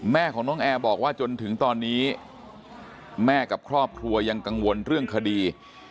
แม่ของน้องแอร์บอกว่าจนถึงตอนนี้แม่กับครอบครัวยังกังวลเรื่องคดี